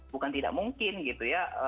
bukan tidak mungkin gitu ya